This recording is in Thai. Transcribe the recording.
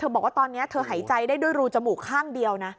บอกว่าตอนนี้เธอหายใจได้ด้วยรูจมูกข้างเดียวนะ